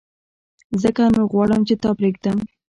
ځکه نو غواړم چي تا پرېږدم !